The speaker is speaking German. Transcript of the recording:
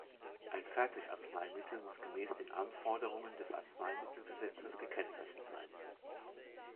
Ein Fertigarzneimittel muss gemäß den Anforderungen des Arzneimittelgesetzes gekennzeichnet sein.